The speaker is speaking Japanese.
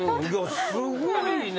すごいね。